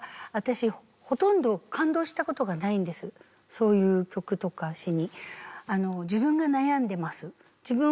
そういう曲とか詞に。